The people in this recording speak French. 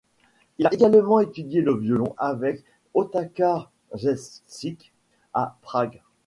Il a également étudié le violon avec Otakar Ševčík à Prague.